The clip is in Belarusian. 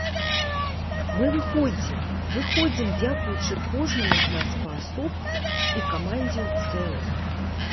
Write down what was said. Мы выходзім, выходзім дзякуючы кожнаму з нас паасобку і камандзе ў цэлым.